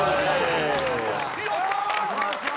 やった！